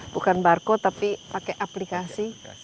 bukan barcode tapi pakai aplikasi